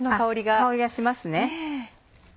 香りがしますね。